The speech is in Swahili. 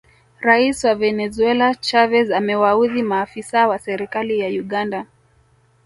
Rais wa Venezuela Chavez amewaudhi maafisa wa serikali ya Uganda